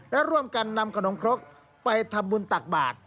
และร่วมกันนำขนมครกไปทำบุญตักบาท